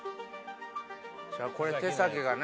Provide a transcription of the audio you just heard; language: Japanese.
これ手先がね。